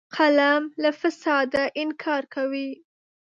قلم له فساده انکار کوي